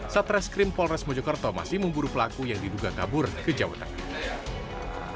setres krim polres mojokerto masih memburu pelaku yang diduga kabur ke jawa timur